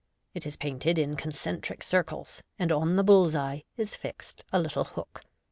It is painted in concentric circles, and on the bull's eye is fixed a little hook.